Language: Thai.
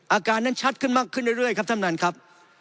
อาการนั้นชัดขึ้นมากขึ้นเรื่อยครับท่านท่านครับ